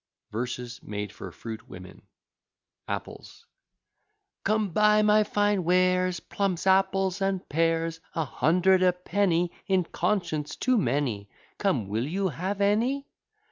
VERSES MADE FOR FRUIT WOMEN APPLES Come buy my fine wares, Plums, apples, and pears. A hundred a penny, In conscience too many: Come, will you have any?